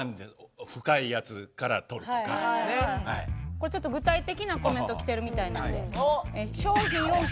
これちょっと具体的なコメントきてるみたいなんで。